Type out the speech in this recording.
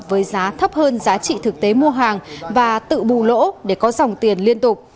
với giá thấp hơn giá trị thực tế mua hàng và tự bù lỗ để có dòng tiền liên tục